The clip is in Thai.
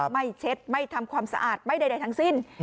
ไม่เช็ดไม่ทำความสะอาดไม่ใดทั้งสิ้น